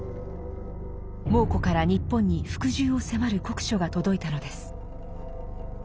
蒙古から日本に服従を迫る国書が届いたのです。